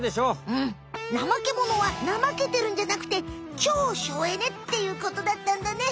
うんナマケモノはなまけてるんじゃなくて超省エネっていうことだったんだね。